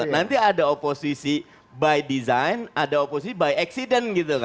nanti ada oposisi by design ada oposisi by accident gitu kan